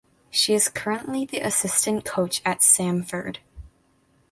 She is currently the assistant coach at Samford.